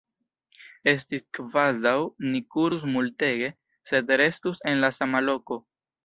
Estis kvazaŭ ni kurus multege sed restus en la sama loko.